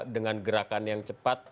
dengan gerakan yang cepat